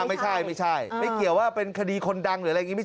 ไม่ใช่ไม่ใช่ไม่เกี่ยวว่าเป็นคดีคนดังหรืออะไรอย่างนี้